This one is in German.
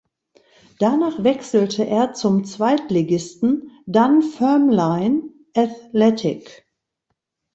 Danach wechselte er zum Zweitligisten Dunfermline Athletic.